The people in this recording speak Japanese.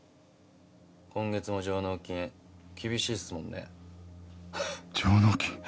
今月も上納金厳しいっすもんね。